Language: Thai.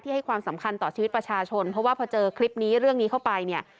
ให้ความสำคัญต่อชีวิตประชาชนเพราะว่าพอเจอคลิปนี้เรื่องนี้เข้าไปเนี่ย